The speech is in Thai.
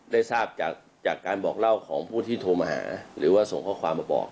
ได้ทราบจากการบอกเล่าของผู้ที่โทรมาหาหรือว่าส่งข้อความมาบอก